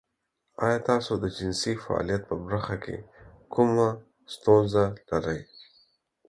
ایا تاسو د جنسي فعالیت په برخه کې کومه ستونزه لرئ؟